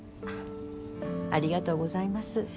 ありがとうございます。